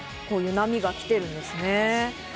こういう波が来ているんですね。